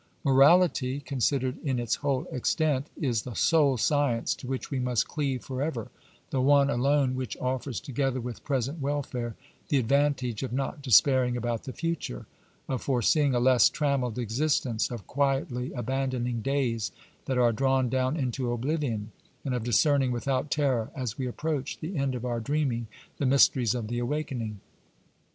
"Morality, considered in its whole extent, is the sole science to which we must cleave for ever, the one alone which offers, together with present welfare, the advantage of not despairing about the future, of foreseeing a less trammelled existence, of quietly abandoning days that are drawn down into oblivion, and of discerning without terror, as we approach the end of our dreaming, the mysteries of the awakening.''''